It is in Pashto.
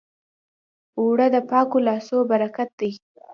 اوړه د پاکو لاسو برکت دی